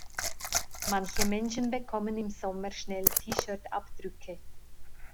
Manche Menschen bekommen im Sommer schnell T-Shirt abdrücke.